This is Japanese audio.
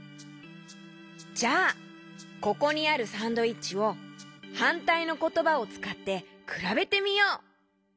じゃあここにあるサンドイッチをはんたいのことばをつかってくらべてみよう！